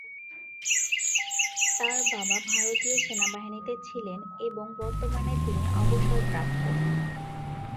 তার বাবা ভারতীয় সেনাবাহিনীতে ছিলেন এবং বর্তমানে তিনি অবসরপ্রাপ্ত।